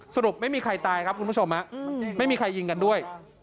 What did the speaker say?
สรุปไม่มีใครตายครับคุณผู้ชมไม่มีใครยิงกันด้วย